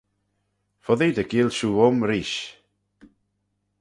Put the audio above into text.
Foddee dy geayll shiu voym reesht.